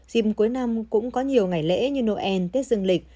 dịp cuối năm cũng có nhiều ngày lễ như noel tết dương lịch